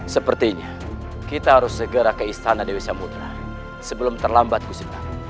sepertinya kita harus segera ke istana dewi samudera sebelum terlambat kusir